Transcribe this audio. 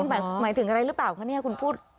หมายถึงอะไรหรือเปล่าคะเนี่ยคุณพูด